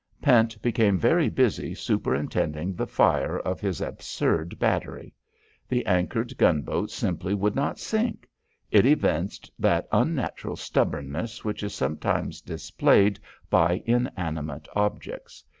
Pent became very busy superintending the fire of his absurd battery. The anchored gunboat simply would not sink. It evinced that unnatural stubbornness which is sometimes displayed by inanimate objects.